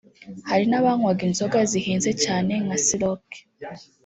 Hari n’abanywaga inzoga zihenze cyane nka Ciroc